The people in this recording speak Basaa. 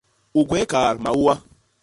U gwéé kaat mauwa.